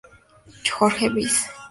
Jorge Báez.